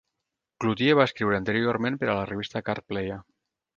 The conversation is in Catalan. Cloutier va escriure anteriorment per a la revista "Card Player".